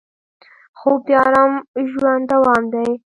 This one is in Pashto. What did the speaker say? خوب د ارام ژوند دوام دی